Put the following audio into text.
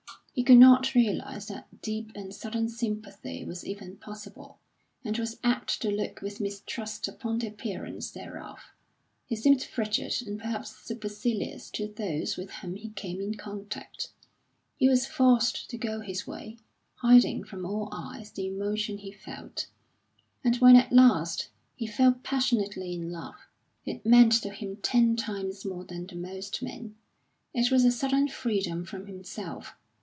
He could not realise that deep and sudden sympathy was even possible, and was apt to look with mistrust upon the appearance thereof. He seemed frigid and perhaps supercilious to those with whom he came in contact; he was forced to go his way, hiding from all eyes the emotions he felt. And when at last he fell passionately in love, it meant to him ten times more than to most men; it was a sudden freedom from himself.